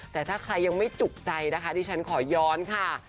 แต่ถ้าใครยังไม่จุกใจนะคะดิฉันขอย้อนค่ะ